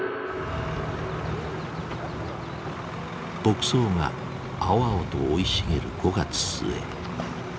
牧草が青々と生い茂る５月末。